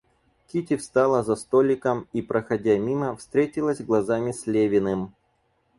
Кити встала за столиком и, проходя мимо, встретилась глазами с Левиным.